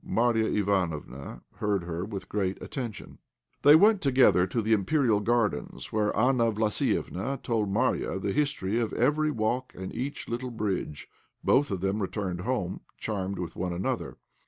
Marya Ivanofna heard her with great attention. They went together to the Imperial Gardens, where Anna Vlassiéfna told Marya the history of every walk and each little bridge. Both then returned home, charmed with one another.